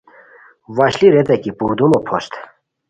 وشلی ریتائے کی پردومو پھوست